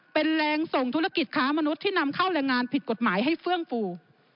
เป็นแรงส่งธุรกิจค้ามนุษย์ที่นำเข้าแรงงานผิดกฎหมายให้เฟื่องฟู